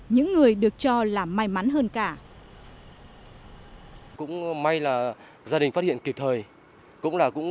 những người được cho là may mắn hơn cả